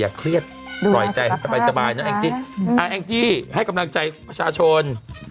อย่าเครียดกล่อยใจให้สบายเนอะแอ้งจี้ให้กำลังใจชาชน